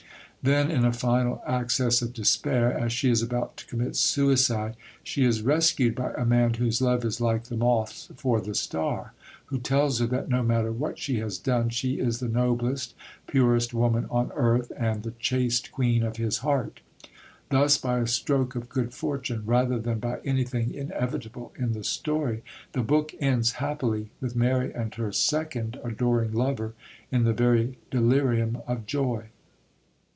Then, in a final access of despair, as she is about to commit suicide, she is rescued by a man whose love is like the moth's for the star who tells her that no matter what she has done, she is the noblest, purest woman on earth, and the chaste queen of his heart. Thus, by a stroke of good fortune, rather than by anything inevitable in the story, the book ends happily, with Mary and her second adoring lover in the very delirium of joy.